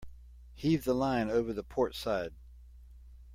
Heave the line over the port side.